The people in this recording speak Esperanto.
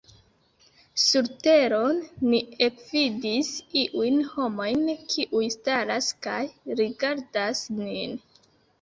Surteron ni ekvidis iujn homojn, kiuj staras kaj rigardas nin.